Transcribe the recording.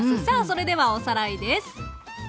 さあそれではおさらいです。